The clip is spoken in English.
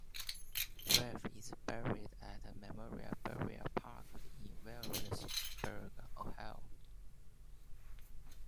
Riffe is buried at Memorial Burial Park in Wheelersburg, Ohio.